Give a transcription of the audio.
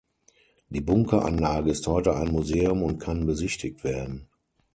Die Bunkeranlage ist heute ein Museum und kann besichtigt werden.